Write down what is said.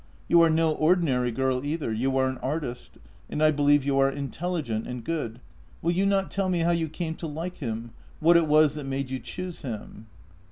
You are no ordinary girl either — you are an artist — and I believe you are intelligent and good. Will you not tell me how you came to like him — wdiat it was that made you choose him